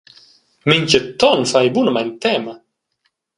Mintgaton fa ei bunamein tema.